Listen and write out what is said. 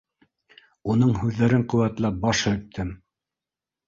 Уның һүҙҙәрен ҡеүәтләп, баш һелктем.